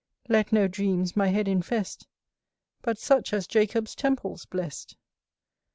Let no dreams my head infest, But such as Jacob's temples blest.